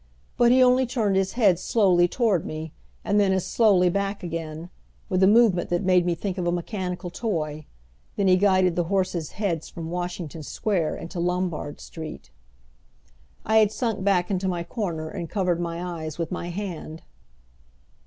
But he only turned his head slowly toward me, and then as slowly back again, with a movement that made me think of a mechanical toy, then he guided the horses' heads from Washington Square into Lombard Street. I had sunk back into my corner and covered my eyes with my hand.